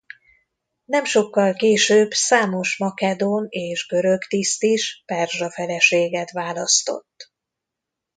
Nem sokkal később számos makedón és görög tiszt is perzsa feleséget választott.